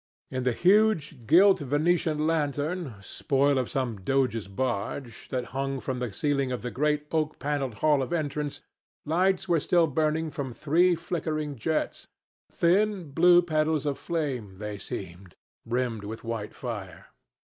In the huge gilt Venetian lantern, spoil of some Doge's barge, that hung from the ceiling of the great, oak panelled hall of entrance, lights were still burning from three flickering jets: thin blue petals of flame they seemed, rimmed with white fire.